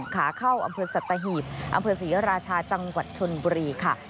ขาเข้าอำเภอสัตหีบอำเภอศรีราชาจังหวัดชนบุรีค่ะ